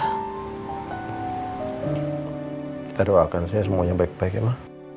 kita doakan saja semuanya baik baik ya ma